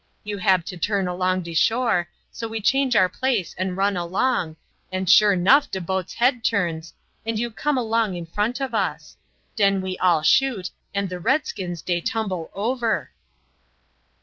You hab to turn along de shore, so we change our place and run along, and sure 'nough de boat's head turns, and you come along in front of us. Den we all shoot, and the redskins dey tumble over."